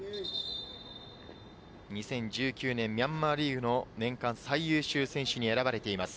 ２０１９年ミャンマーリーグの年間最優秀選手に選ばれています。